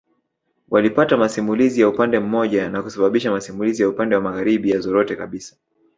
Walipata masimulizi ya upande mmoja na kusababisha masimulizi ya upande wa magharibi yazorote kabisa